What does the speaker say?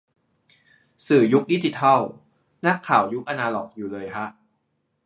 สื่อยุคดิจิทัล นักข่าวยุคอนาล็อกอยู่เลยฮะ